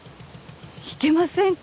いけませんか？